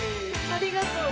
ありがとう。